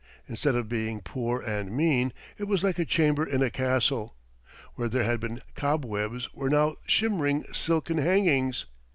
Instead of being poor and mean, it was like a chamber in a castle. Where there had been cobwebs were now shimmering silken hangings.